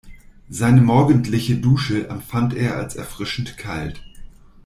Seine morgendliche Dusche empfand er als erfrischend kalt.